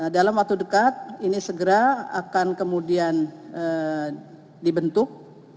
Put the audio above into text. dalam waktu dekat ini segera akan kemudian dibentuk